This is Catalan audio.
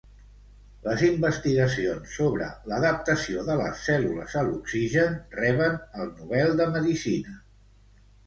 Les investigacions sobre l'adaptació de les cèl·lules a l'oxigen reben el Nobel de medicina.